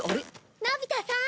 のび太さーん！